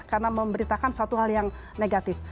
karena memberitakan suatu hal yang negatif